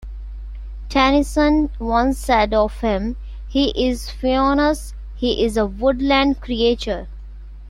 Tennyson once said of him: 'He is Faunus, he is a woodland creature'.